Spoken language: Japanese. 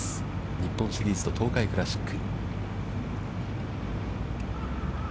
日本シリーズと東海クラシック。